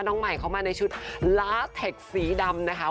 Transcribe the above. น้องใหม่เข้ามาในชุดลาเทคสีดำนะคะ